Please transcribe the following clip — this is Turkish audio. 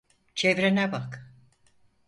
Çevrene bak.